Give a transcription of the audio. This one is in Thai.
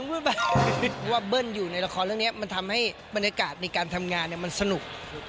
เพราะว่าเบิ้ลอยู่ในละครเรื่องนี้มันทำให้บรรยากาศในการทำงานมันสนุก